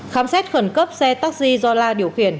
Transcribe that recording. khám xét khẩn cấp xe taxi do la điều khiển